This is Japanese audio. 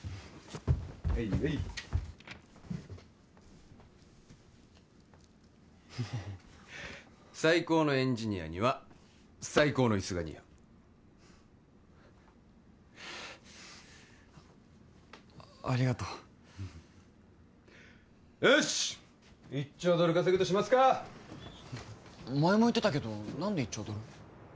はいはい最高のエンジニアには最高のイスが似合うありがとうよしっ１兆ドル稼ぐとしますか前も言ってたけど何で１兆ドル？